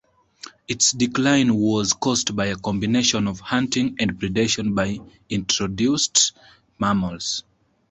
Its decline was caused by a combination of hunting and predation by introduced mammals.